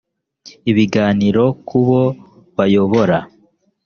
ibiganiro ku bo bayobora